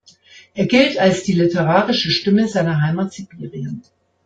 Er gilt als die literarische Stimme seiner Heimat Sibirien.